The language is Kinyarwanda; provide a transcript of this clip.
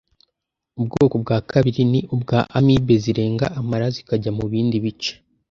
Ubwoko bwa kabiri ni ubwa Amibe zirenga amara zikajya mu bindi bice